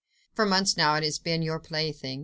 For months now it has been your plaything